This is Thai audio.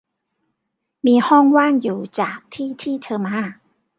มีห้องว่างอยู่จากที่ที่เธอมา